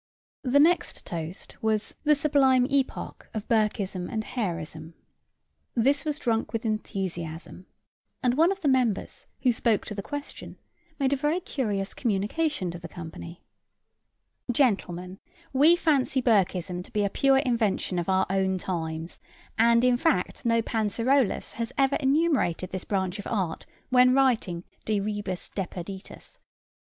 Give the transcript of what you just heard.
The next toast was "The sublime epoch of Burkism and Harism!" This was drunk with enthusiasm; and one of the members, who spoke to the question, made a very curious communication to the company: "Gentlemen, we fancy Burkism to be a pure invention of our own times: and in fact no Pancirollus has ever enumerated this branch of art when writing de rebus deperditis.